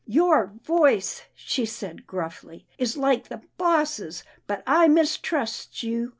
" Your voice," she said gruffly, " is like the boss's, but I mistrusts you.